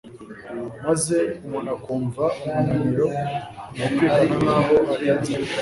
maze umuntu akumva umunaniro wumvikana nkaho ari inzara